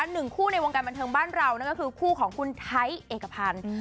หนึ่งคู่ในวงการบันเทิงบ้านเรานั่นก็คือคู่ของคุณไทยเอกพันธ์